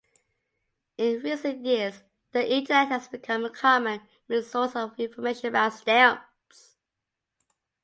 In recent years, the Internet has become a common resource for information about stamps.